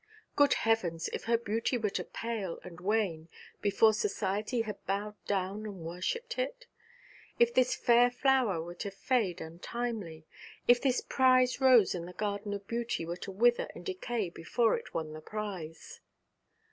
Good heavens! if her beauty were to pale and wane, before society had bowed down and worshipped it; if this fair flower were to fade untimely; if this prize rose in the garden of beauty were to wither and decay before it won the prize.